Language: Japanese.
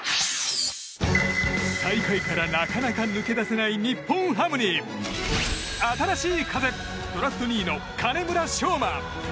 最下位からなかなか抜け出せない日本ハムに新しい風ドラフト２位の金村尚真。